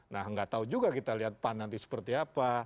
nah nggak tahu juga kita lihat pan nanti seperti apa